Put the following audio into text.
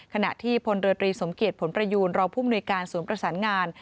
ขณะที่พลเรือตรีสมเกียจผลประยูนรองผู้มนุยการศูนย์ประสานงาน